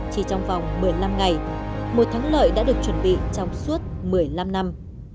chỉ trong vòng một mươi năm ngày một thắng lợi đã được chuẩn bị trong suốt một mươi năm năm